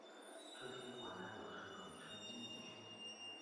这些国家有时统称英语圈。